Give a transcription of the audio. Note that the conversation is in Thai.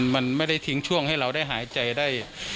มันไม่ได้ทิ้งช่วงให้เราได้หายใจได้